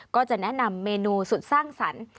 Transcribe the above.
ก็จะแนะนำเมนูสุดสร้างสรรค์